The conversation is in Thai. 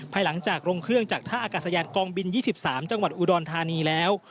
ภายหลังจากลงเครื่องจากท่าอากาศยานกองบิน๒๓จังหวัดอุดรธานีแล้ว